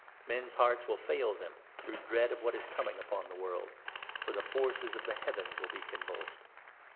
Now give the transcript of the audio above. Men's hearts will fail them through dread of what is coming 26 upon the world ; for ' the forces of the heavens will be con vulsed.'